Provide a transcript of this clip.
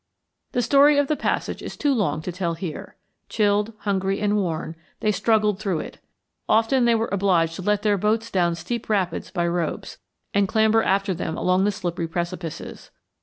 The story of the passage is too long to tell here. Chilled, hungry, and worn, they struggled through it. Often they were obliged to let their boats down steep rapids by ropes, and clamber after them along the slippery precipices.